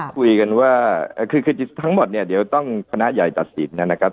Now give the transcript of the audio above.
คุยกันว่าคือทั้งหมดเนี่ยเดี๋ยวต้องคณะใหญ่ตัดสินนะครับ